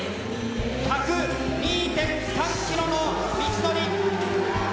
１０２．３キロの道のり。